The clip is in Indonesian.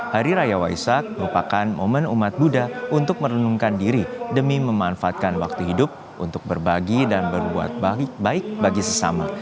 hari raya waisak merupakan momen umat buddha untuk merenungkan diri demi memanfaatkan waktu hidup untuk berbagi dan berbuat baik bagi sesama